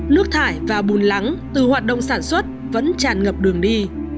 nước thải và bùn lắng từ hoạt động sản xuất vẫn tràn ngập đường đi